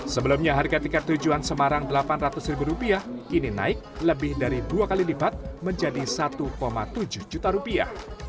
sebelumnya harga tiket tujuan semarang rp delapan ratus ribu rupiah kini naik lebih dari dua kali lipat menjadi satu tujuh juta rupiah